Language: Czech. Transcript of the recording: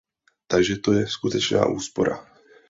Takže to je skutečná úspora.